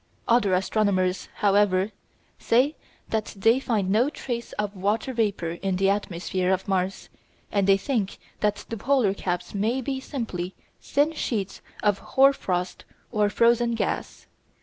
Other astronomers, however, say that they find no trace of water vapour in the atmosphere of Mars, and they think that the polar caps may be simply thin sheets of hoar frost or frozen gas.